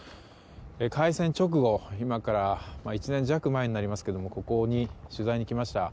開戦直後今から１年弱前になりますがここに取材に来ました。